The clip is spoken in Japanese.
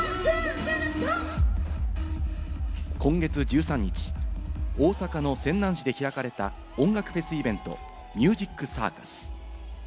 今月１３日、大阪の泉南市で開かれた音楽フェスイベント、ミュージックサーカス。